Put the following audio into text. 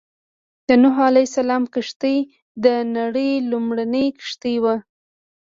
د نوح عليه السلام کښتۍ د نړۍ لومړنۍ کښتۍ وه.